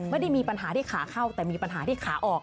ไม่ได้มีปัญหาที่ขาเข้าแต่มีปัญหาที่ขาออก